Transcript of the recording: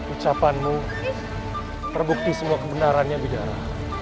ucapanmu terbukti semua kebenarannya bidana